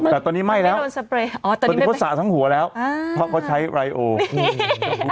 แต่ตอนนี้ไหม้แล้วตอนนี้เขาสระทั้งหัวแล้วเพราะเขาใช้ไรโอ